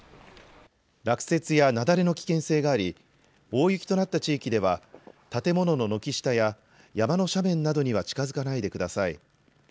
落雪や雪崩の危険性があり大雪となった地域では建物の軒下や山の斜面などには近づかないでください。